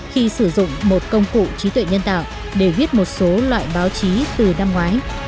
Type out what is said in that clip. khi sử dụng một công cụ trí tuệ nhân tạo để viết một số loại báo chí từ năm ngoái